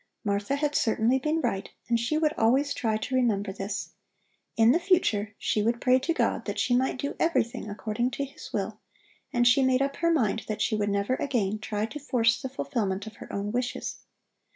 Martha had certainly been right and she would always try to remember this. In the future she would pray to God that she might do everything according to His will, and she made up her mind that she would never again try to force the fulfilment of her own wishes.